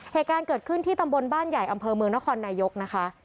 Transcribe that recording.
เหตุการณ์เกิดขึ้นที่ตำบลบ้านใหญ่อำเภอเมืองนครนายกนะคะ